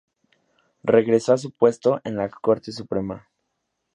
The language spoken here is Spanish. Regresó a su puesto en la Corte Suprema.